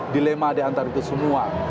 dilema diantara itu semua